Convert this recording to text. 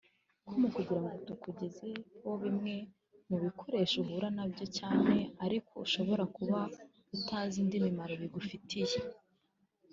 com kugira ngo tukugezeho bimwe mu bikoresho uhura nabyo cyane ariko ushobora kuba utari uzi indi mimaro bigufitiye